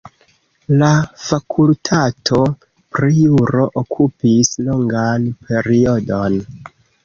La fakultato pri juro okupis longan periodon.